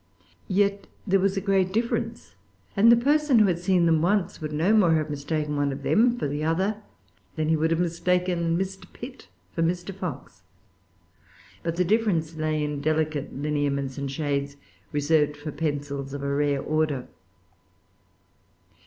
Yet there was a great difference; and a person who had seen them once would no more have mistaken one of them for the other than he would have mistaken Mr. Pitt for Mr. Fox. But the difference lay in delicate lineaments and shades, reserved for pencils of a rare order.